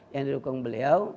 yang didukung beliau